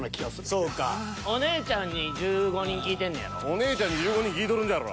「お姉ちゃんに１５人聞いとるんじゃろ！